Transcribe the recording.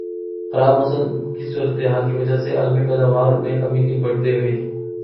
خراب موسم کی صورتحال کی وجہ سے عالمی پیداوار میں کمی کے بڑھتے ہوئے